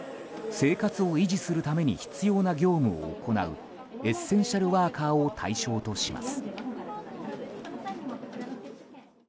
生活を維持するために必要な業務を行うエッセンシャルワーカーを対象とします。